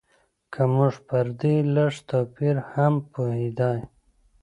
که موږ پر دې لږ توپیر هم پوهېدای.